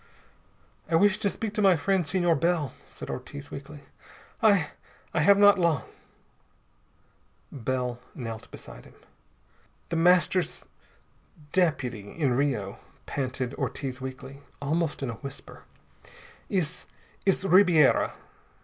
"I wish to speak to my friend, Senor Bell," said Ortiz weakly. "I I have not long." Bell knelt beside him. "The Master's deputy in Rio," panted Ortiz weakly, almost in a whisper, "is is Ribiera.